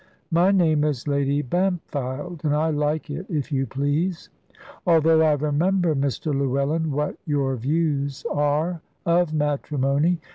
"My name is 'Lady Bampfylde;' and I like it, if you please: although I remember, Mr Llewellyn, what your views are of matrimony.